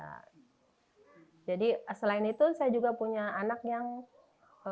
hai jadi selain itu saya juga punya anak yang istimewa ketika saya harus pergi meninggalkan